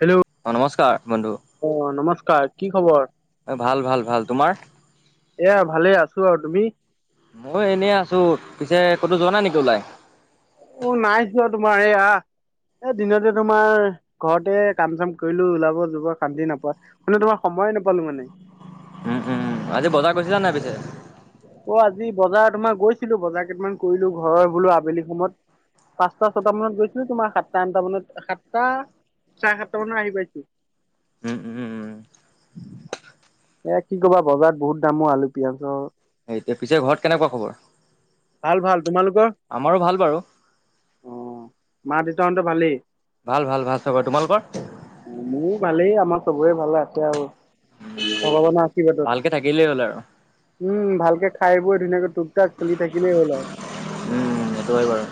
Hello অ নমস্কাৰ বন্ধু। অ নমস্কাৰ কি খবৰ? ভাল ভাল ভাল তোমাৰ? এয়া ভালে আছো আৰু তুমি? মই এনেই আছো পিছে ক'তো যোৱা নাই নেকি ওলাই? উ, নাই চোৱা তোমাৰ এ আ। এ দিনতে তোমাৰ ঘৰতে কাম চাম কৰিলো ওলাব যবোৰ শান্তি নোপোৱা। মানে তোমাৰ সময়ে নাপালো মানে। উম উম আজি বজাৰ গৈছিলা নাই পিছে? অ আজি বজাৰ তোমাৰ গৈছিলো বজাৰ কেইটামান কৰিলো ঘৰৰ বোলো আবেলি সময়ত। পাঁচটা ছটা মানত গৈছিলো তোমাৰ সাতটা আঠটা মানত সাতটা চাই সাত টা মানত আহি পাইছো। উম উম। এ কি কবা বজাৰত বহুত দামো আলু পিয়াজ অ। এতিয়া পিছে ঘৰত কেনেকুৱা খবৰ ভাল ভাল তোমালোকৰ আমাৰো ভাল বাৰু। অ মা দেউতাহতে ভালেই। ভাল ভাল ভাল চবৰ তোমালোকৰ। মোৰ ভালেই আমাৰ চবৰে ভালে আছে আৰু ভগৱানৰ আশিৰ্ৱাদত। ভালকে থাকিলেই হ'ল আৰু উম ভালকে খাই বৈ ধুনীয়াকৈ টোক টাক চলি থাক হয়। উম সেইটো হয় বাৰু।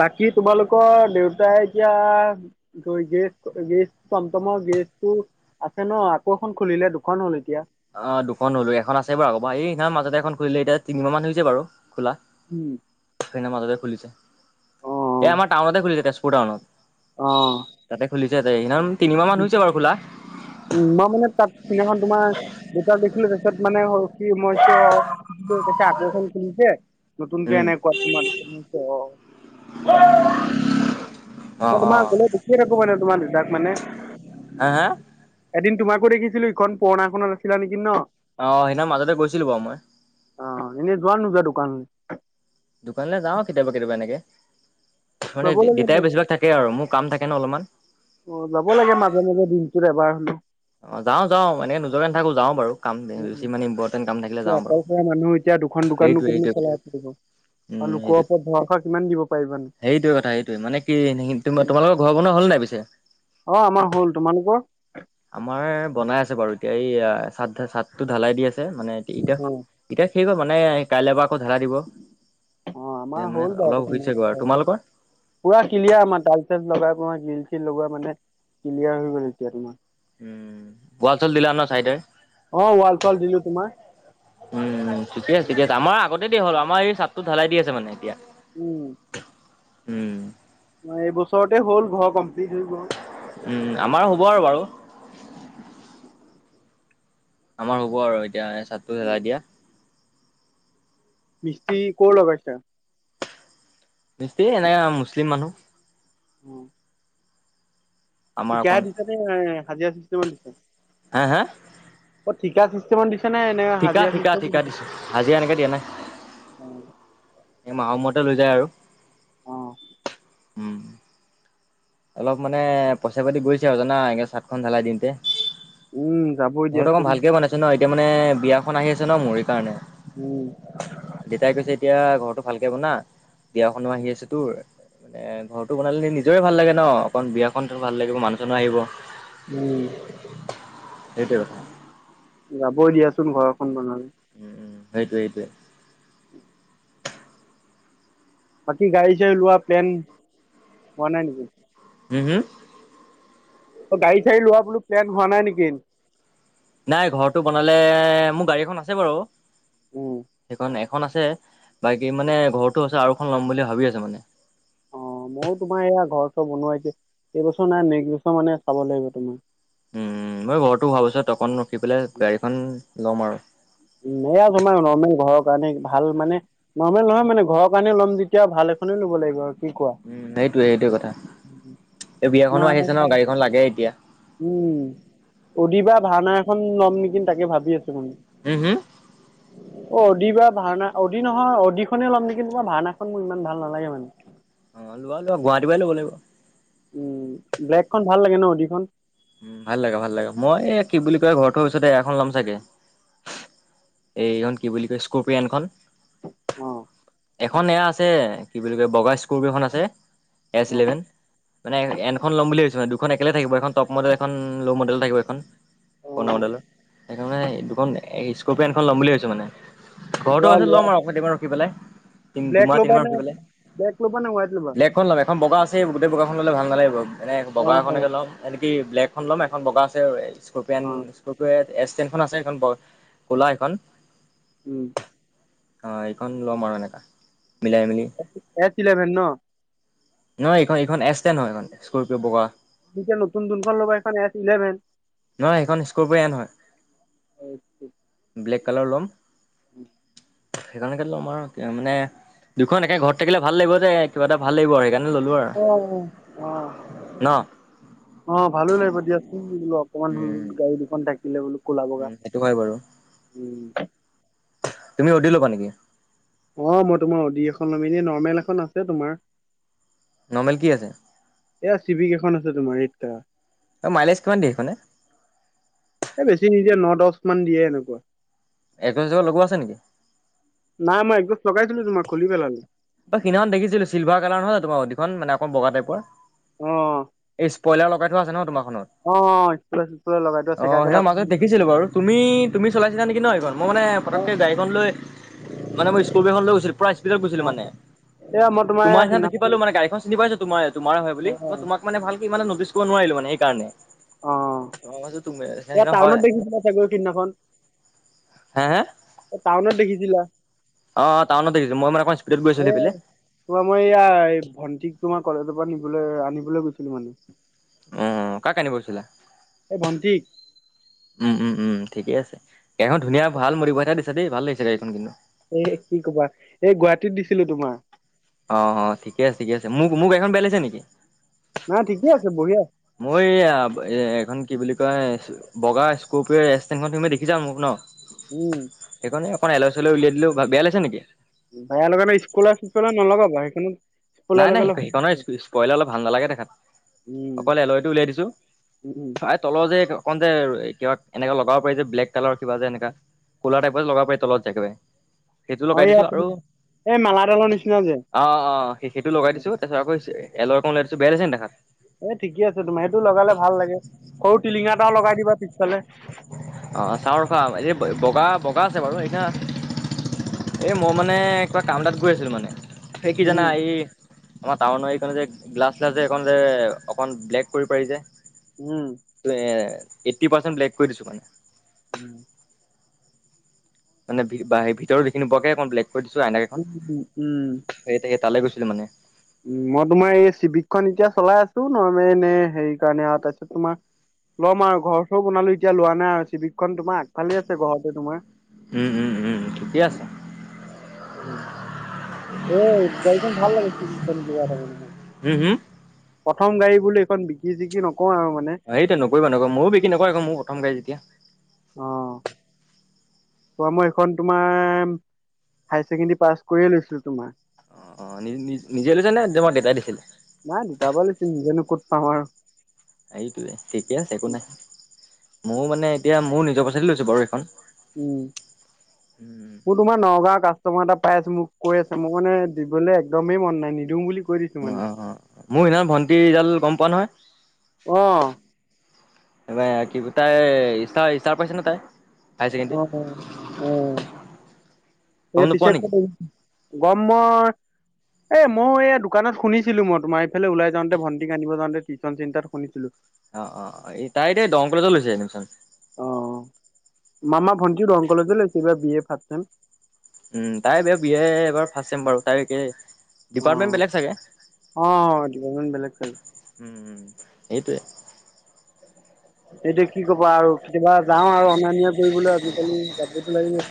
বাকী তোমালোকৰ দেউতাই এতিয়া। গৈ গেৰেজ গেৰেজ তম তমৰ গেৰেজটো। আছে ন আকৌ এখন খুলিলে দুখন হল এতিয়া। অ দুখন হ'লো এখন আছে বাৰু আ'বাৰ এইয় মাজতে এখন খুলিলে এতিয়া তিনি মাহ মান হৈছে বাৰু খোলা। উম। মাজতে খুলিছে অ এই আমাৰ টাউনতে খুলিছে তেজপুৰ অ টাউনত। তাতে খুলিছে ত মিনিমাম তিনিমাহ মান হৈছে বাৰু খোলা। উম মই মানে তাত সেইদিনা খন তোমাৰ দুটা দেখিলো তাৰ পিছত মানে হল কি মইতো [unintelligible] আকৌ এখন খুলিছে নতুনকে উম এনেকোৱা তোমাৰ নিশ্চয় অ। অ মই অ তোমাক গলে দেখিয়েই নাপাও মানে তোমাক দুটাক মানে। হা হা? এদিন তোমাকো দেখিছিলো ইখন পুৰণাখনত আছিলা নেকি ন? অঁ, সেইদিনাখন মাজতে গৈছিলো বাৰু মই। অঁ, এনে যোৱা নে নোযোৱা দুকানলে? দোকানলৈ যাওঁ কেতিয়াবা কেতিয়াবা এনেকে মানে যাব লাগে ম দেউতাই বেছিভাগ থাকে। তাকে আৰু মোৰ কাম থাকে ন অলপমান। অঁ, যাব লাগে মাজে মাজে দিনটোত এবাৰ হলেও। অঁ, যাও যাও এনেকে নোজোৱাকে নাথাকো যাওঁ বাৰু। কামটো বেছি এতিয়া মানে ইম্পৰ্টেণ্ট কাম থাকিলে যাওঁ বাৰু অকলশৰীয়া মানুহ এতিয়া দুখন দোকাননো সেইটোৱে কোননো সেইটোৱে কথা। চলাই থাকিব উম আৰু লোকৰ সেইটো ওপৰত ভৰসা কিমান দিব পাৰিবানো সেইটোৱে কথা সেইটোৱে মানে কি [unintelligible] তোমালোকৰ ঘৰ বনোৱা হ'ল নে নাই পিছে? অ', আমাৰ হ'ল তোমালোকৰ? আমাৰ বনাই আছে বাৰু এতিয়া এই আ চাদ চাদটো ঢালাই দি আছে মানে ইটা-ইটা অ এতিয়া শেষ হ'ল মানে কাইলৰ পৰা আকৌ ঢালাই দিব। অ আমাৰ টিয়া মানে হ'ল বাৰু অলপ হৈছে গৈ তোমালোকৰ পুৰা ক্লিয়াৰ আমাৰ টাইল্চ চাইল্চ লগাই তোমাৰ গ্ৰিল শ্ৰিল লগোৱা মানে ক্লিয়াৰ হৈ গ'ল এতিয়া তোমাৰ উম ওৱাল চোৱাল দিলা ন চাইডে অ ৱাল চোৱাল দিলো তোমাৰ উম ঠিকে আছে দিয়া আমাৰ আগতে দিয়া হ'ল আমাৰ এই চাদটো ঢালাই দি আছে মানে এতিয়া। উম। উম। এইবছৰতে হ'ল ঘৰ কমপ্লিট হৈ গ'ল। উম আমাৰো হ'ব আৰু বাৰু। [unintelligible] আমাৰ হ'ব আৰু এতিয়া এই চাদটো ঢালাই দিয়া। মিস্ৰী ক'ৰ লগাইছা? মিস্ত্ৰী এনে মুছলিম মানুহ। উম। আমাৰ অকণ ঠিকাই দিছা নে হাজিৰা চিষ্টেমত দিছা। আ হা অ', ঠিকা চিষ্টেমত দিছা নে? নে হাজিৰা ঠিকা-ঠিকা চিষ্টেমত -ঠিকা দিছো হাজিৰা এনেকে দিয়া নাই। অ'। এমাহৰ মূৰতে লৈ যায় আৰু। অ উম। অলপ মানে পইচা পাতি গৈছে আৰু জানা এনেকে চাদখন ঢালাই দিওঁতে। উম যাবই ঘৰটো অকমান দিয়াচোন ভালকে বনাইছো ন এতিয়া মানে বিয়াখন আহি আছে ন মোৰ এই কাৰণে। উম। দেউতাই কৈছে এতিয়া ঘৰটো ভালকে বনা বিয়াখনো আহি আছে তোৰ এনে ঘৰটো বনালে নিজৰে ভাল লাগে ন' অকন বিয়াখন ভাল লাগিব মানুহ চানোহ আহিব। উম। সেইটোৱে কথা। যাবই দিয়াচোন ঘৰখন বনালে। উম, সেইটোয়ে-সেইটোৱে। বাকী গাড়ী চাড়ী লোৱা প্লেন, হোৱা নাই নেকি? হুম- হুম। অ', গাড়ী চাৰি লোৱা বুলো প্লেন হোৱা নাই নেকিন? নাই ঘৰটো বনালে মোৰ গাড়ী এখন আছে বাৰু। উম সেইখন এখন আছে, বাকী মানে ঘৰতটো আছে আৰুখন ল'ম বুলি ভাবি আছো মানে। অ ময়ো তোমাৰ এয়া ঘৰ চৰ বনোৱাইছো, এইবছৰ নাই নেক্স বছৰ মানে চাব লাগিব তোমাৰ। উম, মই ঘৰতো হোৱা পাছত অকন ৰখি পেলাই গাড়ীখন ল'ম আৰু। উম, এয়া তোমাৰ নৰ্মেল ঘৰৰ কাৰণে ভাল মানে নৰ্মেল নহয় মানে ঘৰৰ কাৰণে ল'ম যেতিয়া ভাল এখনে ল'ব লাগিব আৰু। কি কোৱা উম, সেইটোয়ে-সেইটোয়ে কথা, এই বিয়াখনো তোমাৰ আহি আছে ন' গাড়ীখন লাগে এতিয়া। উম, অডি বা ভাৰনা এখন ল'ম নেকি তাকে ভাবি আছে মানে। উম, হুম। [inaudible] অ অডি বা ভাৰনা অডি নহয় অডি খনে ল'ম নেকি তোমাৰ ভাৰনাখন মোৰ ইমান ভাল নালাগে মানে। অ লোৱা লোৱা গুৱাহাটী পৰাই ল'ব লাগিব। উম, ব্লেকখন ভাল লাগে ন' অ'ডিখন। উম, ভাল লাগে ভাল লাগে মই এই কি বুলি কয় ঘৰটো পিছতে এখন ল'ম চাগে। এইখন কি বুলি কয় স্কৰ্পিয়নখন। অঁ এখন এয়া আছে কি বুলি কয় বগা স্কোৰ্পিয়নখন খন আছে এছ অ ইলেভেন। মানে এনখন লম বুলি ভাবছোঁ মানে দুখন একেলগে থাকিব এখন টপ মডেল এখন ল মডেল থাকিব এখন। অ পুৰণা মডেল সেইকাৰানে দুখন স্কৰ্পিয়ানখন এন খন ল'ম বুলি ভাবছো মানে। ঘৰতো হোৱাৰ লোৱা পাছত লোৱা ল'ম আৰু অকণ দিন মান ৰখি পেলাই। তিন ব্লেক দুমাহ ল'বা তিনিমাহ নে ব্লেক ল'বা নে উৱাইট ল'বা। খন ল'ম, এখন বগা আছেই গোটেই বগাখন ল'লে ভাল নালাগিব এনে অ বগা অ এখনকে ল'ম। এনকি ব্লেকখন ল'ম এখন বগা আছে, স্কস্পিয়ান অ এছ টেন খন আছে সে খন ব কলা সেইখন। উম। অঁ এইখন ল'ম আৰু এনেকা, মিলাই মিলি। স্কৰ্পিঅ এচ ইলেভেন ন'। নহয় এইখন এইখন এচ টেন ন হয় এইখন স্কৰৰ্পিয় বগা। এতিয়া নতুন যোনখন ল'ব এখন এছ ইলেভন। নহয় সেইখন স্কৰ্পিয়ন এন হয়। [unintelligible] ব্লেক কালাৰ ল'ম। [unintelligible] সেইখনেকে ল'ম আৰু মানে দুখন একে ঘৰত থাকিলে ভাল লাগিব যে কিবা এটা ভাল লাগিব আৰু সেইকা অঁ অঁ ন অঁ অঁ ভালো লাগিব দিয়াচোন বোলো অকমান উম গাড়ী দুখন থাকিলে বোলো। কোলা বগা, উম সেইটো হয় বাৰু উম। তুমি অডি ল'বা নেকি। অঁ মই তোমাৰ অদি এখন ল'ম এনে নৰ্মেল এখন আছে তোমাৰ। নৰ্মেল কি আছে? এয়া চিবিক এখন আছে তোমাৰ এইতা অ মাইলেজ কিমান দিয়ে সেইখনে? এ বেছি নিদিয়ে ন দশ মান দিয়ে সেইদশ। একজ লগোৱা আছে নেকি? নাই মই একদোছ লগাইছিলো তোমাক খুলি পেলালো। অ সিনাখন দেখছিলো চিলভাৰ কালাৰ নহয় জানো তোমাৰ অদি খন মানে অকন বগা টাইপৰ। অ এই স্প্ৰইলাৰ লগাই থোৱা আছে ন তোমাৰখনত। অঁ অঁ [unintelligible] অঁ সেইদিনা মাজত দেখিছিলো বাৰু তুমি তুমি চলাইছিলা নেকি ন সেইখন মই মানে অ পটকে গাড়ীখন লৈ মানে মই স্কৰ্পিয়খন লৈ গৈছিল পুৰা স্পীডত গৈছিলো মানে। এয়া মই তোমাৰ নিছিনা দেখি সিদিনাখন পালো মানে গাড়ী চিনি পাইছো তোমাৰ তোমাৰ হয় অ বুলি, তোমাক মানে ভালকে ইমানে নটিচ কৰিব নোৱাৰিলো মানে সেইকাৰণে। অ অ মই ভাবিছো তুমি এ সেইদিনা হয় টাউনত দেখিছিলে চাগৈ সেইদিনাখন হে হে টাউনত দেখিছিলা অ অ টাউনত দেখিছিলোঁ মই মানে অকন স্পীডত গৈছিলো এ সেইফালে তোমাৰ মই এইয়া ভন্টিক তোমাৰ কলেজৰ পৰা নিবলৈ আনিবলৈ গৈছিলো মানে অ কাক আনিব গৈছিলা এই ভণ্টিক উম উম উম ঠিকেই আছে এয়া হ ধুনীয়া ভাল [unintelligible] এটা দিছে দেই ভাল লাগিছে গাড়ীখন কিন্তু এ কি কবা এই গুৱাহাটীত দিছিলো তোমাৰ অ অ ঠিক আছে ঠিক আছে মোক মোৰ গাড়ীখন বেয়া লাগিছে নেকি নাই ঠিকেই আছে বঢ়িয়া মই এইয়া এখন কি বুলি কয় বগা স্কপিঅ' ৰেচ ষ্টেণ্ডখন তুমি দেখিছা মোক ন উম সেইকনে অকন এল চেল উলিয়াই দিলো ভা বেয়া লাগিছে নেকি বেয়া লগা নাই স্কলাৰ চিস্কলাৰ নলগাবা সেইখনো নাই নাই সেই সেইখনৰ [unintelligible] কৰিলে অলপ ভাল নালাগে দেখাত। উম অকল এলইটো উলিয়াই দিছো উম উম। আত- তলৰ যে অন যে কিবা এনেকা লগাব পাৰি যে ব্লেক কালাৰ কিবা যে এনেকা কোলাৰ টাইপত লগাব পাৰি তলত যে একেবাৰে সেইটো অ লগাই এইয়া দিছো আৰু এই মেলাডালৰ নিচিনা যে অ অ সেইটো লগাই দিছো তাৰপিছত আকৌ [unintelligible] দিছো বেয়া লাগিছে নি দেখাত এ ঠিকে আছে তোমাৰ সেইটো লগালে ভাল লাগে সৰু টিলিঙা এটাও লগাই দিবা পিছফালে অ চাওঁ ৰখা এই বগা বগা আছে বাৰু [unintelligible] এই মই মানে কিবা কাম এটাত গৈ আছিলোঁ মানে এই কি জানা উম এই আমাৰ টাউনৰ এইফালে যে গ্লাছ চ্লাছ এইখন যে অকণ ব্লেক কৰি পাৰি যে উম তোৱে এইট্ৰি পাৰ্চেন্ট ব্লেক কৰি দিছো মানে ওম মানে ভি বা সেই ভিতৰত দেখি নোপোৱাকে অকন ব্লেক কৰি দিছো আইনা- কেইখন ওম ও ওম সেই তাকে তালৈ গৈছিলো মানে উ মই তোমাৰ এই শিৱিকখন এতিয়া চলাই আছো নৰ মে এনে হেৰি কাৰণে আৰু তাৰপিছত তোমাৰ ল'ম আৰু ঘৰ চও বনালো এতিয়া লোৱা নাই আৰু শিৱিকখন তোমাৰ আগফালে আছে ঘৰতে তোমাৰ উম উম উম ঠিকে আছে এই গাড়ীখন ভাল লাগি- [unintelligible] হম হম প্ৰথম গাড়ী বোলো এইখন বিকি চিকি নকওঁ আৰু মানে এইতেই নকৰিবা নকৰিবা মইয়ো বিকি নকৰো এইখন মোৰো প্ৰথম গাড়ী যেতিয়া অ ত মই এইখন তোমাৰ হাই ছেকেণ্ডী পাছ কৰিয়ে লৈছিলো তোমাৰ। অ নিজ নিজ নিজে লৈছা নে তোমাক দেউতাই দিছিল নাই দেউতা পাই লৈছো নিজেনো ক'ত পাম আৰু এইটোৱে ঠিকে আছে একো নাই ময়ো মানে এতিয়া ময়ো নিজৰ প‌ইচা দিয়ে লৈছো বাৰু এইখন। উম উম উম মোৰ তোমাৰ নগাঁৱৰ কাষ্টমাৰ এটা পাই আছোঁ মোক কৈ আছে মোক মানে দিবলৈ একদমেই মন নাই নিদিওঁ বুলি কৈ দি অ অ মোৰ সেইদিনাখন ভন্টিৰ ৰিজাল্ট গম পোৱা অ নহয় এইবাৰ কি তাই ষ্টাৰ ষ্টাৰ পাইছে ন তাই হায়াৰ ছেকেণ্ডেৰী অ অ গম এতিয়া নোপোৱা পিছে নেকি? [unintelligible] গম মই এ ময়ো এইয়া দোকানত শুনিছিলো মই তোমাৰ এইফালে ওলাই যাওঁতে ভণ্টিক আনিব যাওঁতে টিউচন চেণ্টাৰত শুনিছিলো অ অ তাই এতিয়া দৰং কলেজত লৈছে এডমিশ্যন অ মামা ভণ্টিও দৰং কলেজে লৈছে এইবাৰ বি এ ফাষ্ট চেম উম তাই এবাৰ বি এ এবাৰ ফাষ্ট চেম বাৰু তাই একেই অ অ ডিপাৰ্টমেণ্ট বেলেগ টাইপ উম উম এইটোৱে এইটো কি কবা আৰু কেতেবা যাওঁ আৰু অনা নিয়া কৰিবলৈ আজিকালি যাবতো লাগিব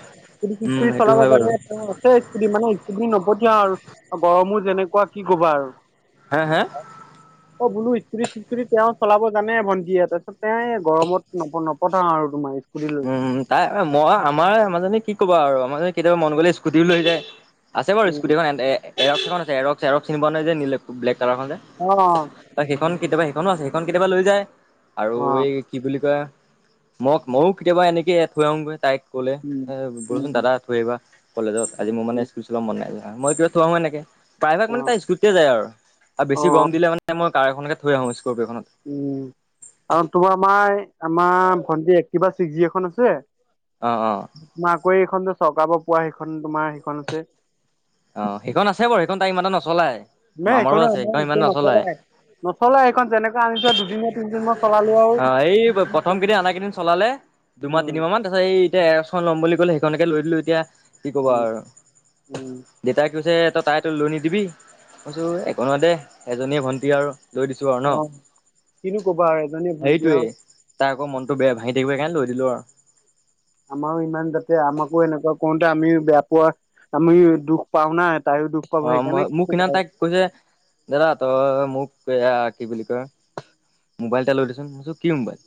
উম সেইটো হয় বাৰু [unintelligible] থেইট স্কুটি মানে স্কুটি নপথিয়াও আৰু গৰমো যেনেকুৱা কি কবা আৰু হে হে অ বোলো স্কুটি চিস্কুটি তেওঁ চলাব জানে ভন টিয়ে তাৰপিছত তেওঁৱে গৰমত নপ -নপঠাও আৰু তোমাৰ স্কুটি লৈ। উম উম তাই মই আমাৰ আমাৰজনী কি কবা আৰু আমাৰজনী কেতিয়াবা মন গলে স্কুটিও লৈ যায় আছে বাৰু উম স্কুটীখন এৰক্সখন আছে এৰক্স এৰক্স চিনি পোৱা নাই যে নি ব্লেক কালাৰখন যে অ তাক সেইখন কেতিয়াবা সেইখনো আছে সেইখন কেতিয়াবা লৈ যায় আৰু অ এই কি বুলি কয় মো ময়ো কেতিয়াবা এনেকে থৈ আহোঙগৈ তাইক কলে উম এ বলচোন উম দাদা থৈ আহিবা কলেজত আজি মানে উম স্কুটি চল মন নাই যোৱা মই কিবা থৈ আহোঁ এনেকে প্ৰায়ভাগ মানে তাই অ স্কুটিতে যায় আৰু অ বেছি গৰম দিলে মানে মই কাৰ খনতে থৈ আহোগে স্কৰপিঅ খনত উম আৰু তোমাৰ আমাই আমাৰ ভন্টি একটিভা চিক্স জি এখন আছে অ অ তোমাৰ আকৌ এইখন যে চৰকাৰ পোৱা সেইখন তোমাৰ সেইখন আছে অ সেইখন আছে বাৰু সেইখন তাক ইমান এটা নচলায় মে আমাৰো এইখনো আছে আমাৰ সেইখন একো ইমান নচলায় নচলাই। নচলাই এইখন যেনেকা আনিছো দুদিন তিনদিন মান চলালো আৰু আহ এই প্ৰথম কেইদিন আনা কেইদিন চলালে দুমাহ উম তিনিমাহ মান তাৰপাছত এই এতিয়া এৰস্ক খন ল'ম বুলি ক'লে সেইখনকে লৈ দিলো এতিয়া কি ক'বা উম আৰু উম দেউতাই কৈছে তই তাইতো লৈ নিদিবি মই কৈছোঁ একো নহয় দে এজনীয়ে ভণ্টি আৰু লৈ দিছো আৰু ন অ কিনো কবা আৰু এজনী ভন্টি সেইটোৱে আৰু তাৰ আকৌ মনটো বেয়া ভাঙি থাকিব সেই কাৰণে লৈ দিলো আৰু আমাৰো ইমান যাতে আমাকো এনেকুৱা কওঁতে আমি বেয়া পোৱা আমি দুখ পাও না তাইয়ো দুখ অ পাব মই সেইকাৰণে কি মোক কব সিদিনা আৰু তাইক কৈছে দাদা তই মোক এয়া কি বুলি কয় মোবাইল এটা লৈ দেচোন মই কি মোবাইল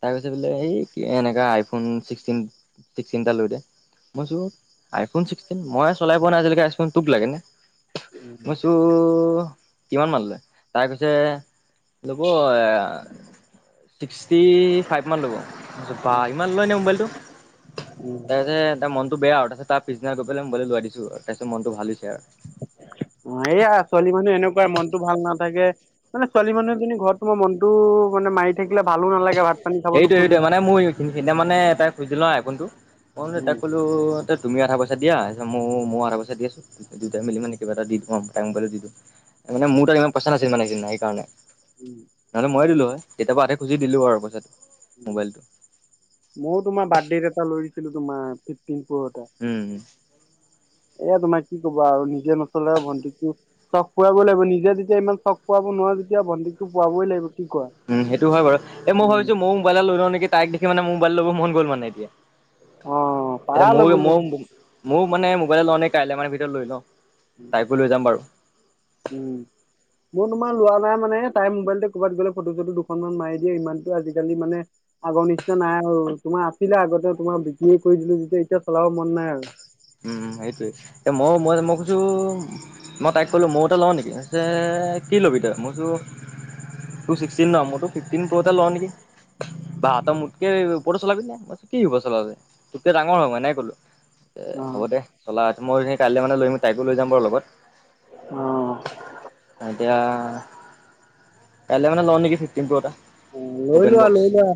তাই কৈছে বোলে এই এনেকা আইফোন চিক্সটিন চিক্সটিন এটা লৈ দে মইছোঁ আইফোন ছিক্সটিন ময়ে চলাই পোৱা নাই আজিলৈকে আইফোন টুক লাগেনে মইছোঁ কিমান মান লয় তাই কৈছে লব এ ছিক্সটি ফাইভমান ল'ব মই কৈছোঁ বা ইমান লয়নে মোবাইলটো উম তাৰ পিছতে তাৰ মনত বেয়া আৰু তাৰ পিছদিনা গৈ পেলাই মোবাইলটো লৈ দিছো আৰু তাৰপিছত মনটো ভাল হৈছে অ এইয়া ছোৱালী মানুহ এনেকুৱাই মনটো ভাল নাথাকে মানে ছোৱালী মানুহখিনি ঘৰতো মনটো মানে মাৰি থাকিলে ভালো নালাগে ভাত পানী খাব সেইটো সেইটো নোখোজে। মানে মই সেইদিনা মানে তাইক খুজিলো বা আইফোনটো মই উম তাক কলো তুমি আধাপইচা দিয়া মই আধা পইচা দি আছো দুটাই মেলি মানে কিবা এটা দি থম টাইম পালে দিবা। মানে মোৰ তাত ইমান পইচা নাছিল সেইদিনা সেইকাৰনে উম নহলে ময়ে দিলো হয় কেতিয়াবা আ খুজি দিলো আৰু পইচাটো উম মোবাইলটো ময়ো তোমাৰ বাৰ্থডেট এটা লৈ দিছিলো তোমাৰ ফিফটিন প্ৰ এটা। উম এয়া তোমাৰ কি কবা আৰু নিজে নচলাই আৰু ভন্টিক দি চখ পোৰাব লাগিব নিজে যেতিয়া ইমান চখ পোৰাব নোৱাৰো তেতিয়া ভণ্টিকটো পোৰাবই লাগিব কি কোৱা উম, সেইটো হয় বাৰু এ, মই উম। ভাবিছো মইও মোবাইল এটা লৈ লওঁ নেকি তাইক দেখি মানে মোৰ মোবাইল ল'ব মন গল মানে এতিয়া। অ' এতিয়া পাৰা ম ল'বলৈ মইও মোৰ মানে মোবাইল লওঁনে কাইলৈ মানে ভিতৰত লৈ লওঁ তাইকো লৈ যাম বাৰু ওম মোৰ তোমাৰ লোৱা নাই মানে তাইৰ মোবাইলতে ক'ৰবাত গ'লে ফটো চটো দুখন মান মাৰি দিয়ে ইমানটো আজিকালি মানে আগৰ নিচিনা নাই আৰু তোমাৰ আছিলে আগতে তোমাৰ বিক্ৰীে কৰি দিলো যেতিয়া এতিয়া চলাব মন নাই আৰু উম সেইটোৱে এতিয়া মই মই মই কৈছো মই তাইক ক'লোঁ ময়ো এটা লওঁ নেকি কৈছে কি ল'বি তই মই কৈছো তোৰ ছিক্সটিন ন মোৰটো ফিফটিন প্ৰ' এটা লওঁ নেকি বা তই মোতকে ওপৰটো চলাবি নে মই কি ওপৰৰ চলাবি তোতকে ডাঙৰ হয় মই এনেকা কলো এ অ', হ'ব দে চলা মই কাইলৈ মানে লৈ আহিম তাইকো লৈ যাম বাৰু লগত অ' এতিয়া কাইলৈ মানে লওনেকি ফিফটিন প্ৰ' এটা লৈ অ'পেন লোৱা বক্স লৈ লোৱা